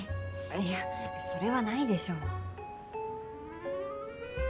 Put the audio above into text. いやそれはないでしょ。